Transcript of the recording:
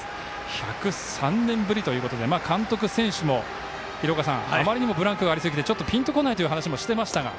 １０３年ぶりということで監督、選手もあまりにもブランクがありましてちょっとピンとこないという話もしていましたが。